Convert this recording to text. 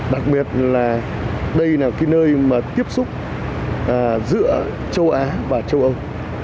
đặc biệt là đây là cái nơi mà tiếp xúc giữa châu á và châu âu